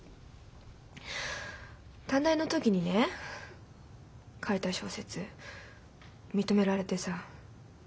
短大の時にね書いた小説認められてさ。